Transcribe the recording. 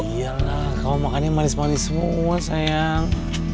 iya lah kamu makannya manis manis semua sayang